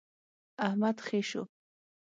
احمد خې شو.